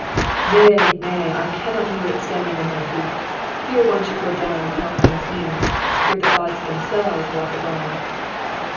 "Nay, nay! I cannot view it standing on my feet! Here one should go down upon one's knees. Here the gods themselves walk abroad!"